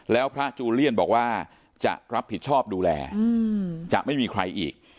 แล้วพระจูเลียนบอกว่าจะรับผิดชอบดูแลจะไม่มีใครอีก